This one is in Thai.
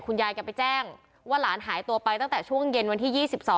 ยายแกไปแจ้งว่าหลานหายตัวไปตั้งแต่ช่วงเย็นวันที่๒๒